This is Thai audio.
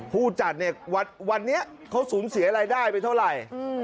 ผู้จัดเนี่ยวันนี้เขาสูญเสียรายได้ไปเท่าไหร่